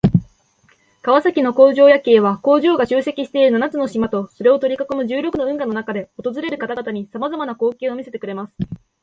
川崎の工場夜景は、工場が集積している七つの島とそれを取り囲む十六の運河の中で訪れる方々に様々な光景を見せてくれます。